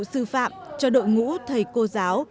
sư phạm cho đội ngũ thầy cô giáo